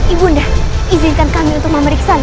ibunda izinkan kami untuk memeriksa